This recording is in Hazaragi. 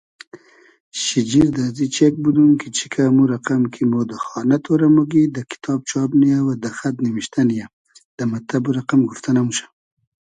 شیجیر دۂ ازی چېگ بودوم کی چیکۂ امو رئقئم کی مۉ دۂ خانۂ تۉرۂ موگی دۂ کیتاب چاب نییۂ دۂ خئد نیمیشتۂ نییۂ دۂ مئتتئب او رئقئم گوفتۂ نئموشۂ